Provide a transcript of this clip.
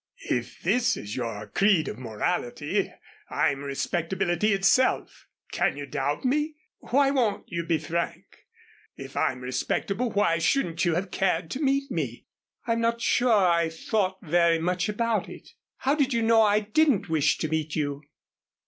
"If this is your creed of morality, I'm respectability itself. Can you doubt me? Why won't you be frank? If I'm respectable why shouldn't you have cared to meet me?" "I'm not sure I thought very much about it. How did you know I didn't wish to meet you?"